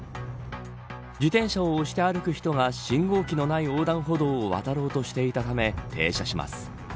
自転車を押して歩く人が信号機のない横断歩道を渡ろうとしていたため停車します。